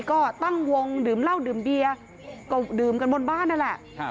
ก็ตั้งวงดื่มเหล้าดื่มเบียร์ก็ดื่มกันบนบ้านนั่นแหละ